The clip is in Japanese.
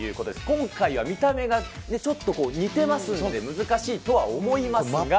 今回は見た目がちょっと似てますんで、難しいとは思いますが。